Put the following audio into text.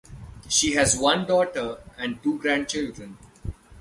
She has one daughter and two grandchildren.